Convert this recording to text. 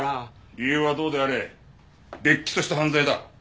理由はどうであれれっきとした犯罪だ！